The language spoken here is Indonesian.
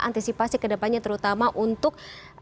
antisipasi kedepannya terutama untuk